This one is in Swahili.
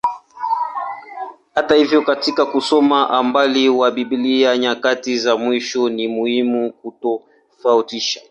Hata hivyo, katika kusoma unabii wa Biblia nyakati za mwisho, ni muhimu kutofautisha.